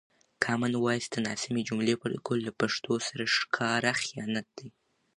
کامن وایس ته ناسمې جملې پورته کول له پښتو سره ښکاره خیانت دی.